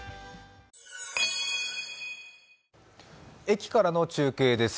駅からの中継です。